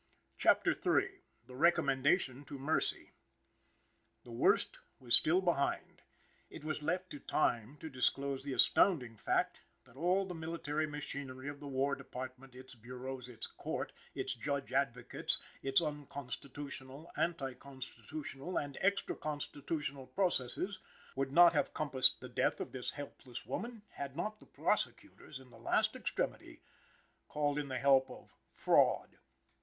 CHAPTER III. THE RECOMMENDATION TO MERCY. The worst was still behind. It was left to Time to disclose the astounding fact, that all the military machinery of the War Department, its Bureaus, its Court, its Judge Advocates, its unconstitutional, anti constitutional and extra constitutional processes, would not have compassed the death of this helpless woman, had not the prosecutors, in the last extremity, called in the help of Fraud.